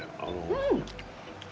うん！